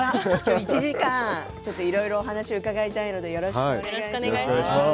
１時間いろいろお話を伺いたいのでよろしくお願いします。